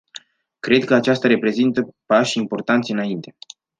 Cred că acestea reprezintă pași importanți înainte.